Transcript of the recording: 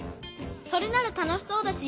それならたのしそうだし